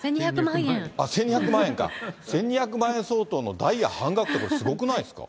あっ、１２００万円か、１２００万円相当のダイヤ半額ってこれ、すごくないですか？